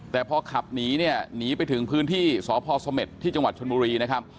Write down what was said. แต่พอขับหนีเนี่ยหนีไปถึงพื้นที่สพสเม็ดที่จังหวัดชนบุรีนะครับ